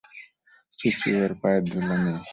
ছি ছি, ওঁর পায়ের ধুলা নে।